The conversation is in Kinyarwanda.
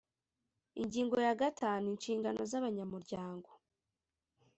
Ingingo ya gatanu: Inshingano z’abanyamuryango